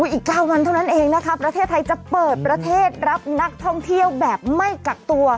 อีก๙วันเท่านั้นเองนะคะประเทศไทยจะเปิดประเทศรับนักท่องเที่ยวแบบไม่กักตัว